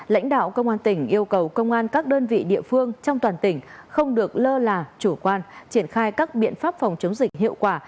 lãnh đạo công an tỉnh yêu cầu công an các đơn vị địa phương trong toàn tỉnh không được lơ là chủ quan triển khai các biện pháp phòng chống dịch hiệu quả